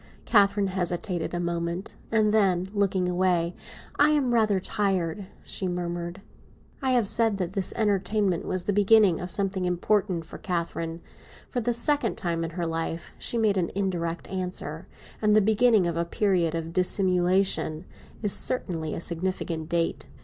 Catherine hesitated a moment; and then, looking away, "I am rather tired," she murmured. I have said that this entertainment was the beginning of something important for Catherine. For the second time in her life she made an indirect answer; and the beginning of a period of dissimulation is certainly a significant date.